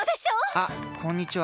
あっこんにちは